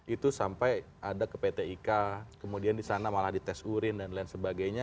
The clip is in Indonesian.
itu sampai ada ke pt ika kemudian di sana malah dites urin dan lain sebagainya